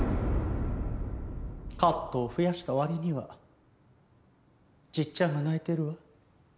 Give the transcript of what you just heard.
カットを増やした割にはじっちゃんが泣いてるわ。